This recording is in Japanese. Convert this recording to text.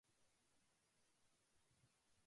飛行機に乗りたい